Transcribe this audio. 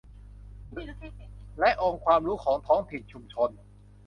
และองค์ความรู้ของท้องถิ่นชุมชน